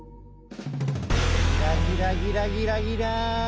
ギラギラギラギラギラン。